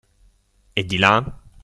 E di là?